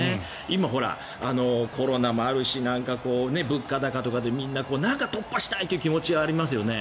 今、コロナもあるし物価高とかでみんななんか突破したいという気持ちがありますよね。